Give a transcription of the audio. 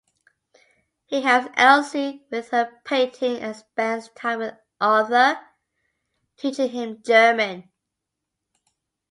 He helps Elsie with her painting and spends time with Arthur, teaching him German.